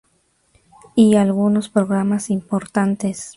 Y algunos programas importantes.